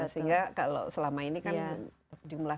sehingga kalau selama ini kan jumlah